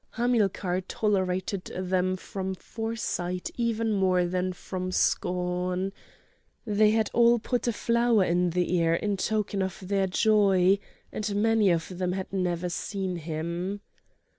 Hamilcar tolerated them from foresight even more than from scorn. They had all put a flower in the ear in token of their joy, and many of them had never seen him.